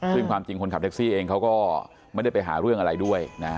ซึ่งความจริงคนขับแท็กซี่เองเขาก็ไม่ได้ไปหาเรื่องอะไรด้วย